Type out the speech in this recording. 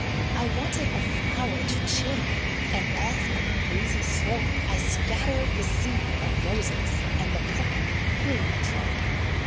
I wanted a flower to cheer me, And off on a breezy slope I scattered the seed of roses And the purple heliotrope.